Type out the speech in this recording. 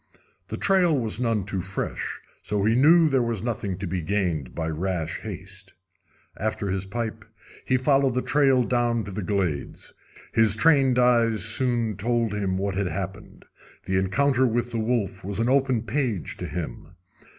The trail was none too fresh, so he knew there was nothing to be gained by rash haste. After his pipe, he followed the trail down to the glades. His trained eyes soon told him what had happened. The encounter with the wolf was an open page to him.